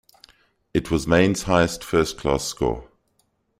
It was Mayne's highest first-class score.